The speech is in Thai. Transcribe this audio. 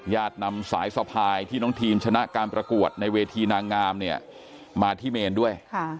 นำสายสะพายที่น้องทีมชนะการประกวดในเวทีนางงามเนี่ยมาที่เมนด้วย